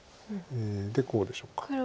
でこうでしょうか。